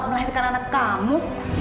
melahirkan anak kamu